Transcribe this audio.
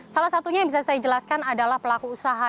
salah satunya yang bisa saya jelaskan adalah pelaku usaha